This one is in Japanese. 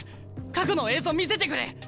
過去の映像見せてくれ！